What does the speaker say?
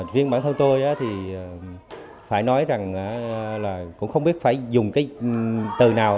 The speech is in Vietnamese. riêng bản thân tôi thì phải nói rằng là cũng không biết phải dùng cái từ nào